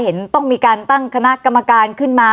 ต้องมีการตั้งคณะกรรมการขึ้นมา